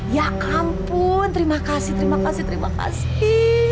ya ampun terima kasih terima kasih terima kasih